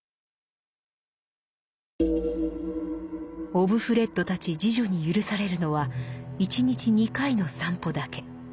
オブフレッドたち侍女に許されるのは１日２回の散歩だけ。